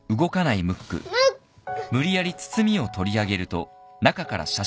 ムック。